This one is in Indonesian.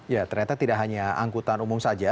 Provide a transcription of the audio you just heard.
ya ternyata tidak hanya angkutan umum saja